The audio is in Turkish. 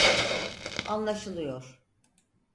Anlaşılıyor.